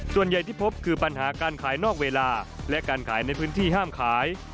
ส่วนใหญ่ที่พบคือปัญหาการขายนอกเวลาและการขายในพื้นที่ห้ามขาย